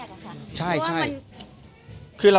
ก็ต้องนะครับพวกฉากแรกค่ะ